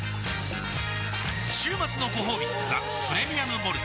週末のごほうび「ザ・プレミアム・モルツ」